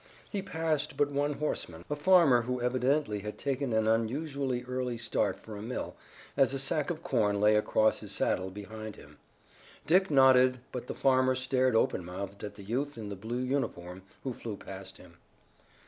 He passed but one horseman, a farmer who evidently had taken an unusually early start for a mill, as a sack of corn lay across his saddle behind him. Dick nodded but the farmer stared open mouthed at the youth in the blue uniform who flew past him.